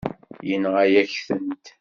Yenɣa-yak-tent.